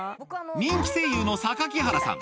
人気声優の榊原さん